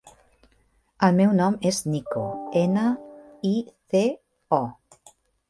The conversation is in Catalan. El meu nom és Nico: ena, i, ce, o.